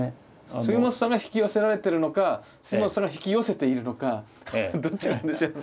杉本さんが引き寄せられてるのか杉本さんが引き寄せているのかどっちなんでしょうね。